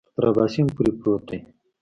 تر اباسین پورې پروت دی.